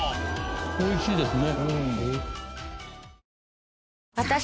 美味しいですね。